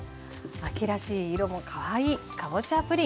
秋らしい色もかわいいかぼちゃプリン。